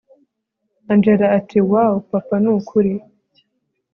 angella ati woow papa nukuri